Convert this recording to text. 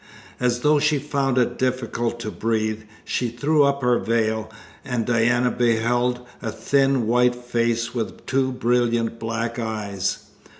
As though she found it difficult to breathe, she threw up her veil, and Diana beheld a thin white face with two brilliant black eyes.